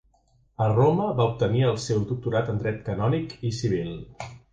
A Roma va obtenir el seu doctorat en Dret canònic i civil.